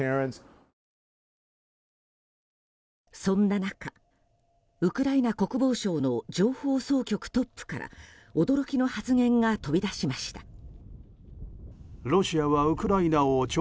そんな中、ウクライナ国防省の情報総局トップから驚きの発言が飛び出しました。